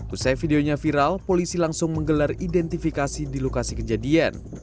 usai videonya viral polisi langsung menggelar identifikasi di lokasi kejadian